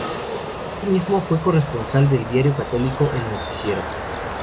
Asimismo, fue corresponsal del diario católico "El Noticiero".